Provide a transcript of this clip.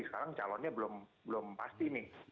sekarang calonnya belum pasti nih